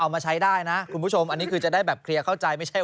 มาใช้ได้นะคุณผู้ชมอันนี้คือจะได้แบบเคลียร์เข้าใจไม่ใช่